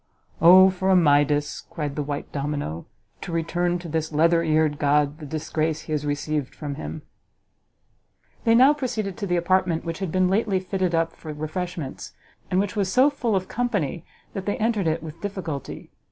"O for a Midas," cried the white domino, "to return to this leather eared god the disgrace he received from him!" They now proceeded to the apartment which had been lately fitted up for refreshments, and which was so full of company that they entered it with difficulty.